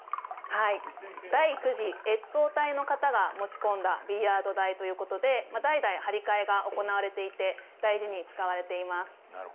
第９次越冬隊の方が持ち込んだビリヤード台で代々貼り替えが行われていて大事に使われています。